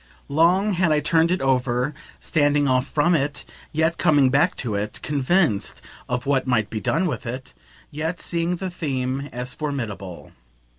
Long had I turned it over, standing off from it, yet coming back to it; convinced of what might be done with it, yet seeing the theme as formidable.